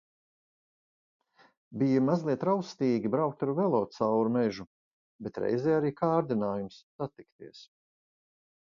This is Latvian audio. Bija mazliet raustīgi braukt ar velo caur mežu, bet reizē arī kārdinājums satikties.